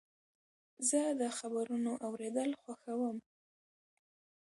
زه د خبرونو اورېدل خوښوم.